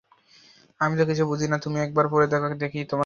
আমি তো কিছু বুঝি নে, তুমি একবার পড়ে দেখো দেখি তোমার কেমন লাগে।